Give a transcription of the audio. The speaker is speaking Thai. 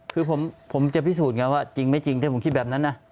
คือผมจะพิสูจน์ไงว่าจริงไม่จริงถ้าผมคิดแบบนั้นนะ